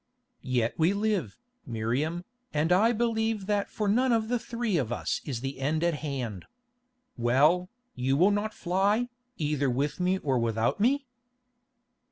"Yet we live, Miriam, and I believe that for none of the three of us is the end at hand. Well, you will not fly, either with me or without me?"